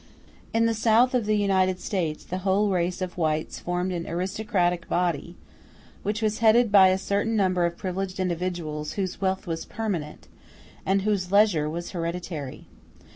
In the South of the United States the whole race of whites formed an aristocratic body, which was headed by a certain number of privileged individuals, whose wealth was permanent, and whose leisure was hereditary.